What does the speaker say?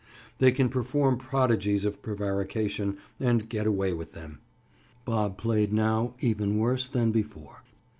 They can perform prodigies of prevarication and "get away" with them. Bob played now even worse than before.